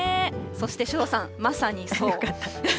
そして首藤さん、まさにそう。